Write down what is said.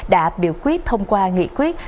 đã biểu quyết thông qua nghị quyết